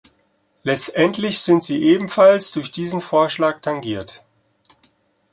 Letztendlich sind sie ebenfalls durch diesen Vorschlag tangiert.